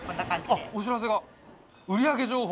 あっお知らせが。